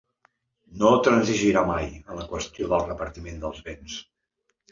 No transigirà mai en la qüestió del repartiment de béns.